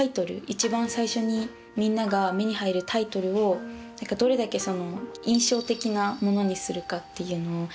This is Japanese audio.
一番最初にみんなが目に入るタイトルをどれだけ印象的なものにするかっていうのを一番意識してます。